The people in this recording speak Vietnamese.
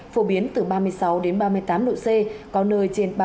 phổ biến từ ba mươi sáu đến ba mươi tám độ c